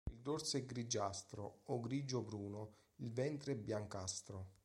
Il dorso è grigiastro o grigio bruno, il ventre biancastro.